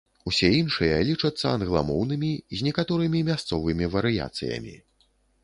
Усе іншыя лічацца англамоўнымі, з некаторымі мясцовымі варыяцыямі.